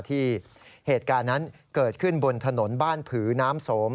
เหตุการณ์นั้นเกิดขึ้นบนถนนบ้านผือน้ำสม